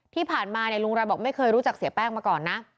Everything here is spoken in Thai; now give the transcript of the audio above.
ที่ผ่านมาลุงรายบอกไม่เคยรู้จักเสียแป้งมาก่อนนะ